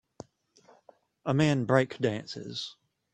a man breakdances.